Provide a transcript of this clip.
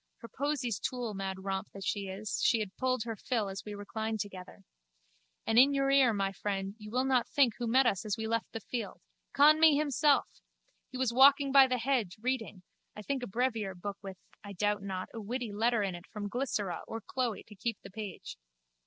Her posies too! Mad romp that she is, she had pulled her fill as we reclined together. And in your ear, my friend, you will not think who met us as we left the field. Conmee himself! He was walking by the hedge, reading, I think a brevier book with, I doubt not, a witty letter in it from Glycera or Chloe to keep the page.